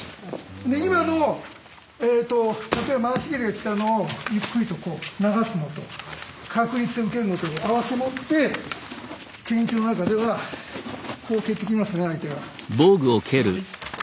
今の回し蹴りが来たのをゆっくりとこう流すのと鶴立で受けるのとを併せ持って研究の中ではこう蹴ってきますね相手が。